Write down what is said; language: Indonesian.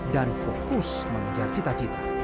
dan fokus mengejar cita cita